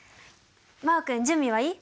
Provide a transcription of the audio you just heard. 真旺君準備はいい？